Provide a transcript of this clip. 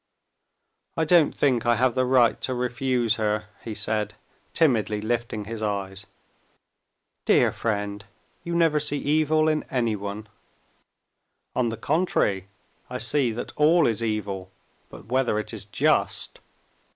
"I don't think I have the right to refuse her," he said, timidly lifting his eyes. "Dear friend, you never see evil in anyone!" "On the contrary, I see that all is evil. But whether it is just...."